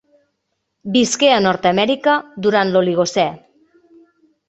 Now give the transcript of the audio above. Visqué a Nord-amèrica durant l'Oligocè.